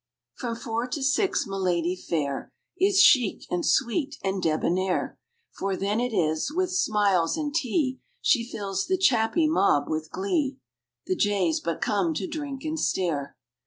_ From four to six milady fair Is chic and sweet and debonair, For then it is, with smiles and tea, She fills the chappy mob with glee (The jays but come to drink and stare).